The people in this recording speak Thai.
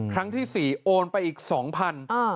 ครั้งที่๔โอนไปอีก๒๐๐บาท